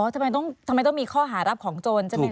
ทำไมต้องมีข้อหารับของโจรใช่ไหมค